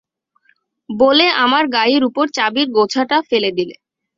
বলে আমার গায়ের উপর চাবির গোছাটা ফেলে দিলে।